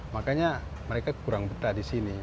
makanya mereka kurang peta di sini